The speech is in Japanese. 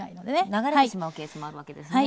流れてしまうケースもあるわけですね。